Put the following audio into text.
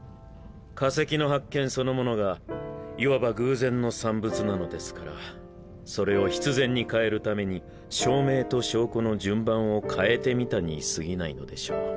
化石の発見そのものがいわば偶然の産物なのですからそれを必然に変えるために証明と証拠の順番を変えてみたにすぎないのでしょう。